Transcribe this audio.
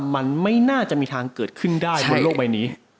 มันไม่น่าจะมีทางเกิดขึ้นได้บนโลกใบนี้